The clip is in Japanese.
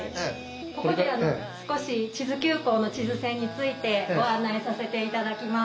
ここで少し智頭急行の智頭線についてご案内させて頂きます。